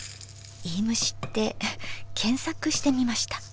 いいむしって検索してみました。